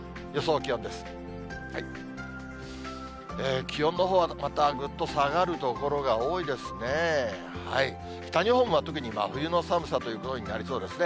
気温のほうはまた、ぐっと下がる所が多いですね。